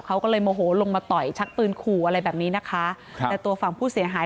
เขาก็เลยโมโหลงมาต่อยชักปืนขู่อะไรแบบนี้นะคะครับแต่ตัวฝั่งผู้เสียหาย